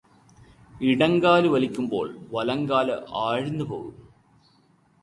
ഇടങ്കാലു വലിക്കുമ്പോള് വലങ്കാല് ആഴ്ന്നു പോകും